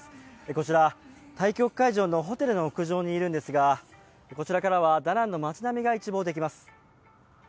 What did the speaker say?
こちら、対局会場のホテルの屋上にいるんですが、こちらからはダナンの町並みが一望できます。